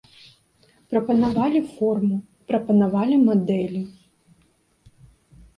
Прапанавалі форму, прапанавалі мадэлі.